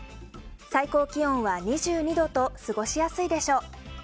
最高気温は２２度と過ごしやすいでしょう。